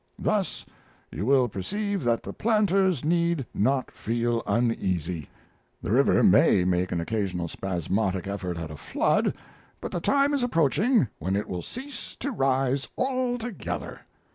Thus, you will perceive that the planters need not feel uneasy. The river may make an occasional spasmodic effort at a flood, but the time is approaching when it will cease to rise altogether.